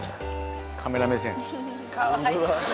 カメラ目線。